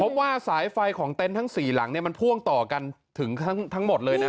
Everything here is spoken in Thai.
ว่าสายไฟของเต็นต์ทั้ง๔หลังมันพ่วงต่อกันถึงทั้งหมดเลยนะ